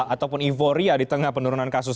ataupun euforia di tengah penurunan kasus